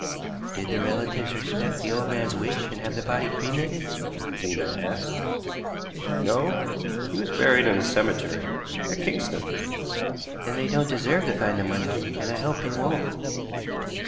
"Did the relatives respect the old man's wish and have the body cremated?" Zena asked. "No; he was buried in a cemetery at Kingston." "Then they don't deserve to find the money, and I hope they won't."